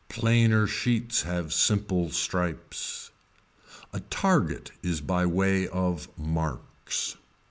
Plainer sheets have simple stripes. A target is by way of marks.